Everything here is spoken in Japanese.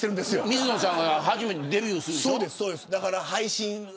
水野さんが初めてデビューするんでしょ。